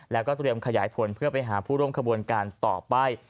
แล้วก็เตรียมขยายผลเพื่อไปหาผู้ร่วมขบวนการต่อไป